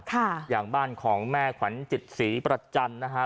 ค่ะอย่างบ้านของแม่ขวัญจิตศรีประจันทร์นะฮะ